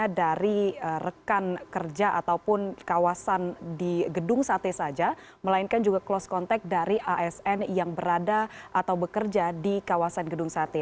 hanya dari rekan kerja ataupun kawasan di gedung sate saja melainkan juga close contact dari asn yang berada atau bekerja di kawasan gedung sate